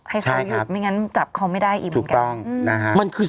ให้เขาหยุดใช่ครับไม่งั้นจับเขาไม่ได้อิ่มกับถูกต้องอืมมันคือ